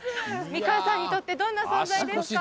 三川さんにとってどんな存在ですか？